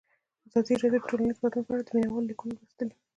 ازادي راډیو د ټولنیز بدلون په اړه د مینه والو لیکونه لوستي.